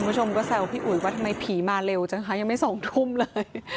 คุณผู้ชมก็แซวพี่อุ๋ยว่าทำไมผีมาเร็วจังคะยังไม่๒ทุ่มเลย